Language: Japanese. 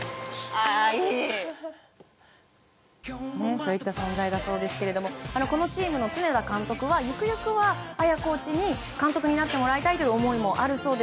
そういった存在だそうですがこのチームの監督さんはゆくゆくは彩コーチに監督になってもらいたいという思いもあるそうで。